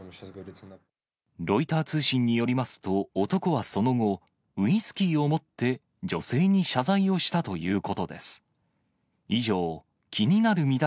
ロイター通信によりますと、男はその後、ウイスキーを持って女性に謝罪をしたということです。